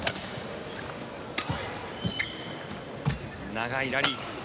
長いラリー。